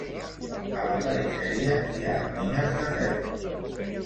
A la perifèria hi ha mines de ferro.